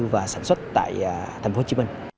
và sản xuất tại thành phố hồ chí minh